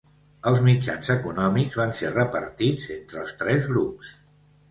Els mitjans econòmics van ser repartits entre els tres grups.